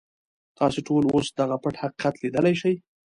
تاسې ټول اوس دغه پټ حقیقت ليدلی شئ.